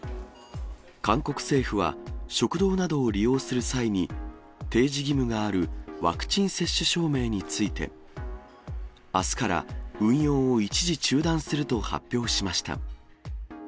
韓国政府は、食堂などを利用する際に提示義務があるワクチン接種証明について、あすから運用を一時中断すると発表しました。